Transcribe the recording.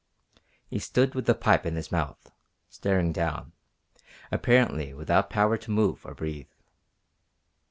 He stood with the pipe in his mouth, staring down, apparently without power to move or breathe.